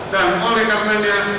dan oleh kemenian